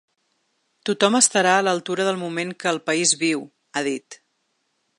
Tothom estarà a l’altura del moment que el país viu –ha dit–.